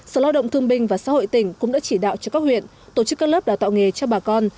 sở lao động thương binh và xã hội tỉnh cũng đã chỉ đạo cho các huyện tổ chức các lớp đào tạo nghề cho bà con